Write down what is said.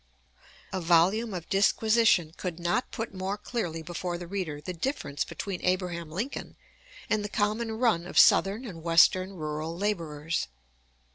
A volume of disquisition could not put more clearly before the reader the difference between Abraham Lincoln and the common run of Southern and Western rural laborers.